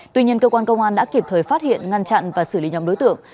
tuy nhiên cơ quan công an đã kịp thời phát hiện ngăn chặn và xử lý nhóm đối tượng